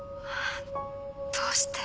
どうして。